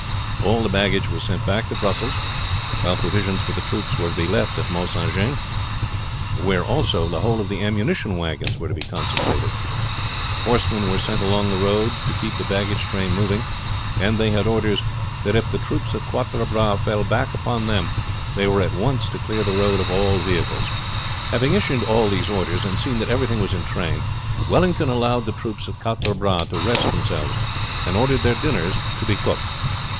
All the baggage was sent back to Brussels, while provisions for the troops were to be left at Mount St. Jean, where also the whole of the ammunition wagons were to be concentrated. Horsemen were sent along the road to keep the baggage train moving, and they had orders that if the troops at Quatre Bras fell back upon them they were at once to clear the road of all vehicles. Having issued all these orders, and seen that everything was in train, Wellington allowed the troops at Quatre Bras to rest themselves, and ordered their dinners, to be cooked.